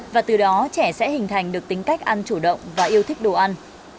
và từ đó trẻ sẽ hình thành được tính cách ăn chủ động và yêu thích đồ ăn